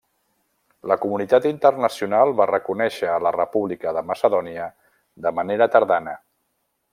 La comunitat internacional va reconèixer a la República de Macedònia de manera tardana.